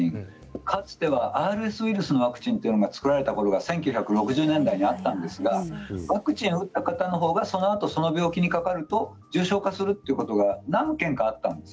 かつてはＲＳウイルスのワクチンというのが作られたことが１９６０年代にあったんですがワクチンを打った方のほうがその後その病気にかかると重症化するということが何件かあったんです。